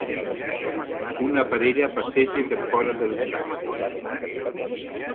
una parella passeja per fora de les cases